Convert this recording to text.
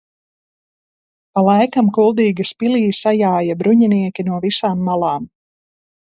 Pa laikam Kuldīgas pilī sajāja bruņinieki no visām malām.